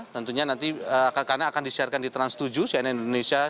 tentunya nanti karena akan disiarkan di trans tujuh cna indonesia cna indonesia com